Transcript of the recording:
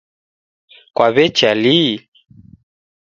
Kwaw'echa lii?